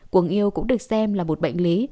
cuồng yêu cũng được xem là một bệnh lý